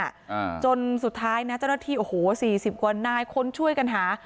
อ่าจนสุดท้ายนะเจ้าหน้าที่โอ้โหสี่สิบกว่านายคนช่วยกันหา